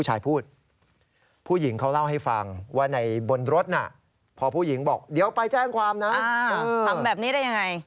อ่าทำแบบนี้ได้ยังไง